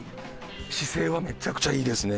姿勢はめちゃくちゃいいですね。